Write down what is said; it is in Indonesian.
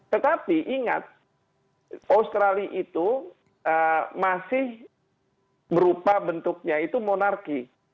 tetapi ingat australia itu masih berupa bentuknya itu monarki